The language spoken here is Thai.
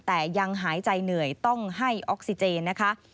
แต่ยังหายใจเหนื่อยต้องให้ออกซิเจนนะคะ